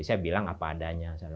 saya bilang apa adanya